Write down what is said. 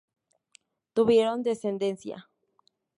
Tuvieron descendencia.